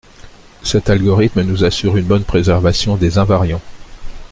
Cet algorithme nous assure une bonne préservation des invariants